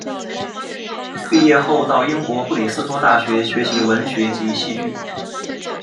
毕业后到英国布里斯托大学学习文学及戏剧。